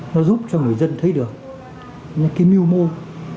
nó giúp cho người dân thấy được những cái mưu môi